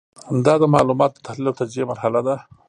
دا د معلوماتو د تحلیل او تجزیې مرحله ده.